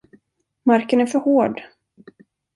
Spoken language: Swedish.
Marken är för hård.